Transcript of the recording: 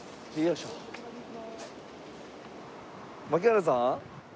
槙原さん。